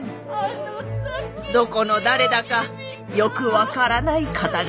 どこの誰だかよく分からない方々。